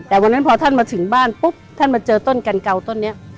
แต่วันนั้นพอท่านมาถึงบ้านปุ๊บท่านมาเจอต้นกันเก่าต้นนี้